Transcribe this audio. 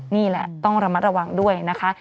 นี่แหละต้องระมัดระวังด้วยนะคะ